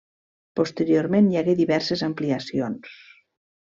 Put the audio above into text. Posteriorment hi hagué diverses ampliacions.